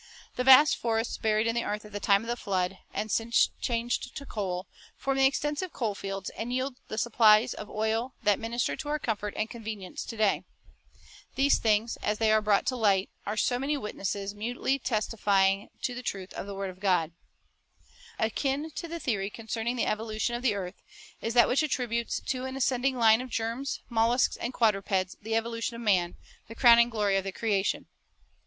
The vast forests buried in the earth at the time of the flood, and since changed to coal, form the extensive coal fields, and yield the supplies of oil, that minister to our comfort and convenience to day. These things, as they are brought to light, are so many witnesses mutely testifying to the truth of the word of God. 'Gen. 1 : 5. a Ps. 22 : 9. 130 The Bible as an Ediicator Evolution of Man The Divine Working in Nature Akin to the theory concerning the evolution of the earth, is that which attributes to an ascending line of germs, mollusks, and quadrupeds the evolution of man, the crowning glory of the creation.